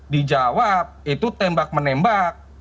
dijawab itu tembak menembak